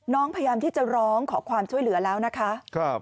พยายามที่จะร้องขอความช่วยเหลือแล้วนะคะ